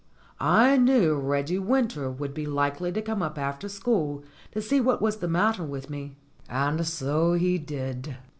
I knew Reggie Winter would be likely to come up after school to see what was the matter with me, and so he did.